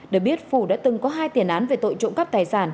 được biết phủ đã từng có hai tiền án về tội trộm cắp tài sản